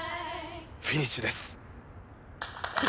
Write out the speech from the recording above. フィニッシュです。